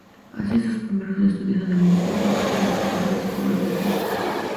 Hace sus primeros estudios en el Instituto Cristo del Socorro de su pueblo natal.